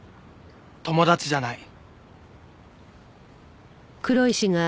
友達じゃない。